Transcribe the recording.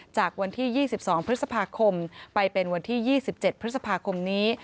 จากวันที่๒๒พฤษภาคมไปเป็นวันที่๒๗พฤษภาคมนี้